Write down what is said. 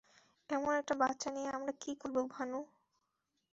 এমন একটা বাচ্চা নিয়ে আমরা কী করব, ভানু?